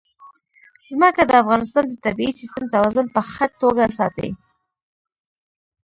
ځمکه د افغانستان د طبعي سیسټم توازن په ښه توګه ساتي.